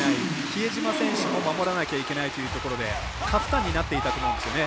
比江島選手も守らなきゃいけないというところで過負担になっていたと思うんですよね。